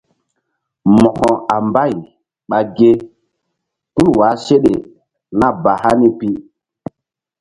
Mo̧ko a mbay ɓa ge tul wah seɗe nah ba hani pi.